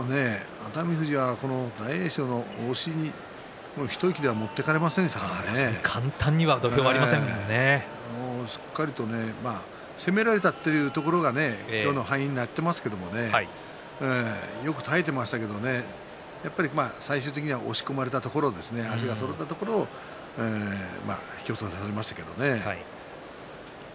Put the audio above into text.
熱海富士は大栄翔の押しに一息に簡単に攻められたというのが今日の敗因になっていますけれどよく耐えていましたけれども最終的には押し込まれたところ足がそろったところを引き落とされましたけどね。